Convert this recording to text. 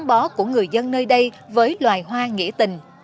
đều thể hiện sự gắn bó của người dân nơi đây với loài hoa nghĩa tình